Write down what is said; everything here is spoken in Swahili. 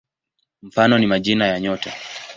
Mfano ni majina ya nyota.